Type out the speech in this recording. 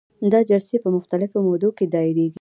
دا جلسې په مختلفو مودو کې دایریږي.